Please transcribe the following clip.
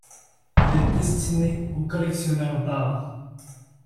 Il est destiné aux collectionneurs d'art.